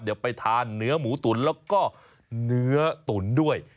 เดี๋ยวไปทานเนื้อหมูตุ๋นแล้วก็เนื้อตุ๋นด้วย